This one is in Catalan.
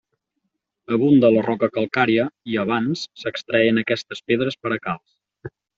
Abunda la roca calcària i abans, s'extreien aquestes pedres per a calç.